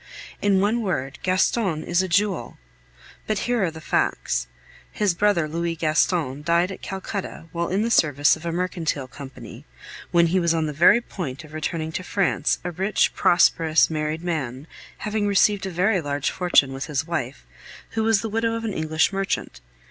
In one word, Gaston is a jewel! But here are the facts. His brother, Louis Gaston, died at Calcutta, while in the service of a mercantile company, when he was on the very point of returning to France, a rich, prosperous, married man, having received a very large fortune with his wife, who was the widow of an English merchant.